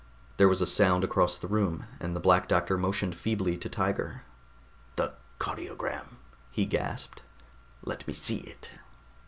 There was a sound across the room, and the Black Doctor motioned feebly to Tiger. "The cardiogram," he gasped. "Let me see it."